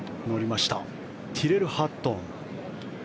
そしてティレル・ハットン。